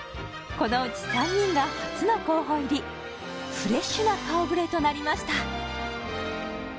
このうち３人が初の候補入りフレッシュな顔ぶれとなりました